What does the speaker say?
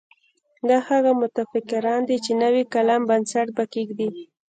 دا هغه متفکران دي چې نوي کلام بنسټ به کېږدي.